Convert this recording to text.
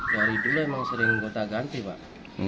dari dulu emang sering gota ganti pak